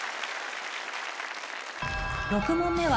６問目は